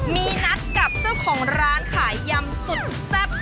มีนัดกับเจ้าของร้านขายยำสุดแซ่บ